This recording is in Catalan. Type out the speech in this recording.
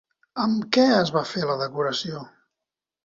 Amb què es va fer la decoració?